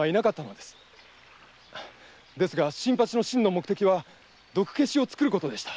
ですが新八の真の目的は毒消しを作ることでした。